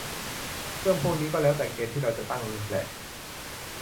เรื่องพวกนี้ก็แล้วแต่เกณฑ์ที่เราจะตั้งแหละ